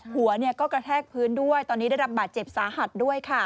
หัวก็กระแทกพื้นด้วยตอนนี้ได้รับบาดเจ็บสาหัสด้วยค่ะ